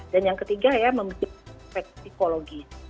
dan yang ketiga ya memiliki perspektif psikologis